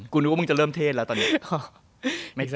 นึกว่ามึงจะเริ่มเทศแล้วตอนนี้